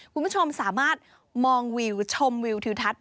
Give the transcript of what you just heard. คุณผู้ชมสามารถมองวิวชมวิวทิวทัศน์